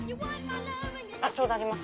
ちょうどあります。